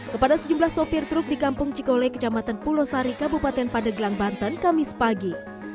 kepada sejumlah sopir truk di kampung cikole kecamatan pulau sari kabupaten pandeglang banten kamis pagi